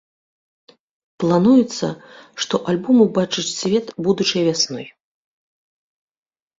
Плануецца, што альбом убачыць свет будучай вясной.